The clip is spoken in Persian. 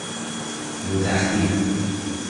رو تختی